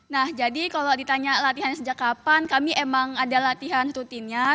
nah jadi kalau ditanya latihan sejak kapan kami emang ada latihan tutinnya